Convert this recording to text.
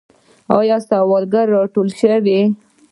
آیا سوالګر ټول شوي؟